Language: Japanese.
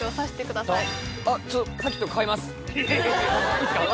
いいすか？